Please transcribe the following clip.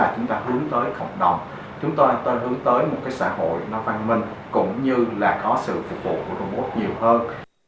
chúng ta hướng tới cộng đồng chúng ta hướng tới một xã hội văn minh cũng như là có sự phục vụ của robot nhiều hơn